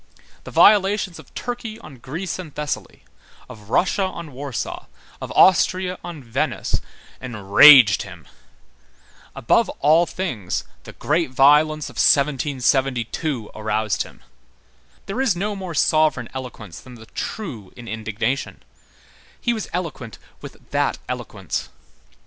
The violations of Turkey on Greece and Thessaly, of Russia on Warsaw, of Austria on Venice, enraged him. Above all things, the great violence of 1772 aroused him. There is no more sovereign eloquence than the true in indignation; he was eloquent with that eloquence.